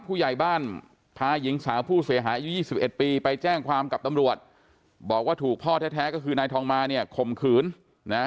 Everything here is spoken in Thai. ผู้ใหญ่บ้านพาหญิงสาวผู้เสียหายอายุ๒๑ปีไปแจ้งความกับตำรวจบอกว่าถูกพ่อแท้ก็คือนายทองมาเนี่ยข่มขืนนะ